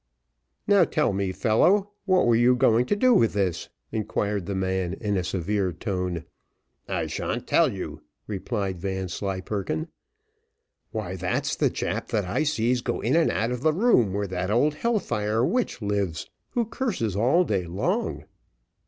"Now tell me, fellow, what were you going to do with this?" inquired the man in a severe tone. "I sha'n't tell you," replied Vanslyperken. "Why that's the chap that I sees go in and out of the room where that old hell fire witch lives, who curses all day long."